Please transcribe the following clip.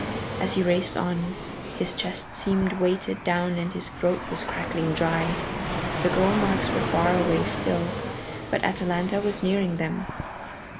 As he raced on, his chest seemed weighted down and his throat was crackling dry. The goal marks were far away still, but Atalanta was nearing them.